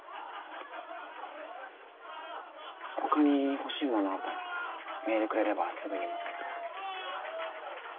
ほかに欲しいものあったらメールくれればすぐに持っていくから。